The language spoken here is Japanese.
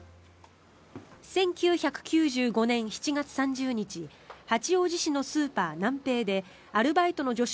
１９９５年７月３０日八王子市のスーパーナンペイでアルバイトの女子